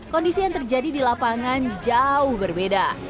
kondisi yang terjadi di lapangan jauh berbeda